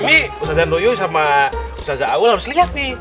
ini ustaz zanur yu sama ustaz aul harus liat nih